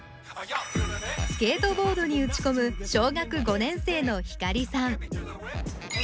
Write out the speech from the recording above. スケートボードに打ち込む小学５年生の晃さん